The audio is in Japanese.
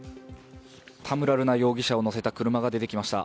田村瑠奈容疑者を乗せた車が来ました。